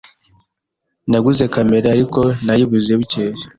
Naguze kamera, ariko nayibuze bukeye.